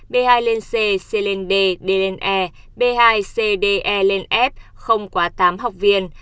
b hai lên c c lên d d lên e b hai c d e lên f không quá tám học viên